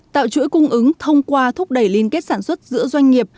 tạo chuỗi cung ứng thông qua thúc đẩy liên kết sản xuất giữa doanh nghiệp